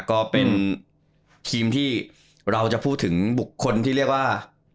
ก็เป็นทีมที่เราจะพูดถึงบุคคลที่เรียกว่า